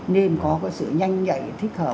nên có sự nhanh nhạy thích hợp